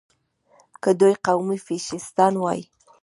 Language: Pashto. که دوی قومي فشیستان وای.